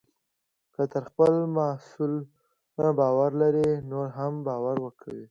که ته پر خپل محصول باور لرې، نور هم باور کوي.